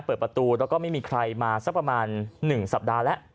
เปิดประตูแล้วก็ไม่มีใครมาสักประมาณ๑สัปดาห์แล้ว